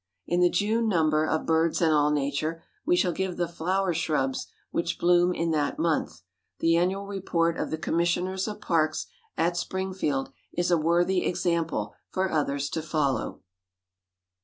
In the June number of BIRDS AND ALL NATURE we shall give the flower shrubs which bloom in that month. The annual report of the commissioners of parks at Springfield is a worthy example for others to follow.